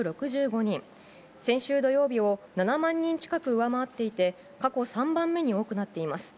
先週土曜日を７万人近く上回っていて、過去３番目に多くなっています。